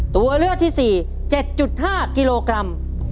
ตัวเลือกที่๔๗๕กิโลกรัม